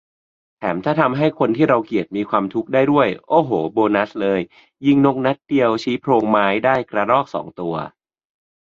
แถมถ้าทำให้คนที่เราเกลียดมีความทุกข์ได้ด้วย โอ้โห โบนัสเลย ยิงนกนัดเดียวชี้โพรงไม้ได้กระรอกสองตัว